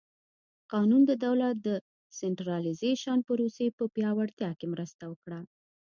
قانون د دولت د سنټرالیزېشن پروسې په پیاوړتیا کې مرسته وکړه.